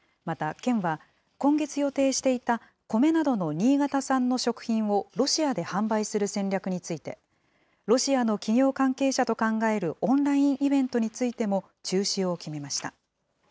また県は、今月予定していたコメなどの新潟産の食品をロシアで販売する戦略について、ロシアの企業関係者と考えるオンラインイベントについても、中止を決めました。